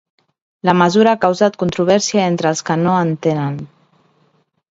La mesura ha causat controvèrsia entre els que no en tenen.